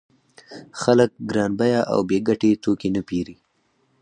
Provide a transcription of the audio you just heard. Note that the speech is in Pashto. خلک ګران بیه او بې ګټې توکي نه پېري